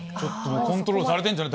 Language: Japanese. コントロールされてんじゃない？